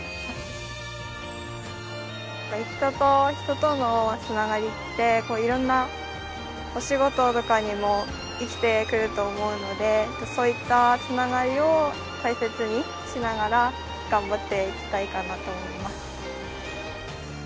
人と人とのつながりっていろんなお仕事とかにも生きてくると思うのでそういったつながりを大切にしながら頑張っていきたいかなと思います。